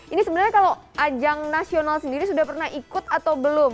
ini sebenarnya kalau ajang nasional sendiri sudah pernah ikut atau belum